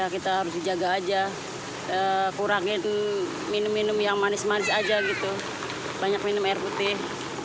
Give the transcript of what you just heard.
kita harus jaga saja kurangkan minum minum yang manis manis saja banyak minum air putih